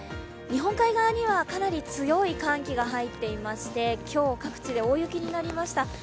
日本海側にはかなり強い寒気が入っていまして、今日、各地で大雪になりました。